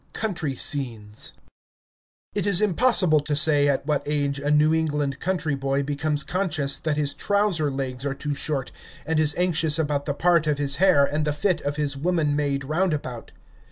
COUNTRY SCENES It is impossible to say at what age a New England country boy becomes conscious that his trousers legs are too short, and is anxious about the part of his hair and the fit of his woman made roundabout.